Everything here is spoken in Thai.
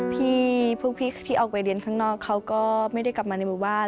พี่พวกพี่ที่ออกไปเรียนข้างนอกเขาก็ไม่ได้กลับมาในหมู่บ้าน